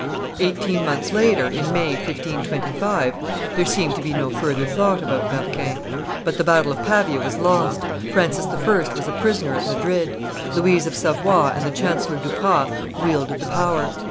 Eighteen months later, in May, 1525, there seemed to be no further thought about Berquin; but the battle of Pavia was lost; Francis I. was a prisoner at Madrid; Louise of Savoy and the chancellor, Duprat, wielded the power.